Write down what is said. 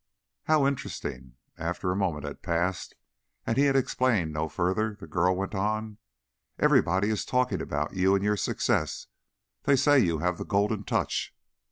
"How interesting." After a moment had passed and he had explained no further, the girl went on: "Everybody is talking about you and your success. They say you have the golden touch."